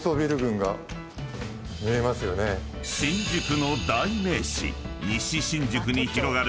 ［新宿の代名詞］